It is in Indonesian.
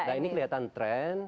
nah ini kelihatan tren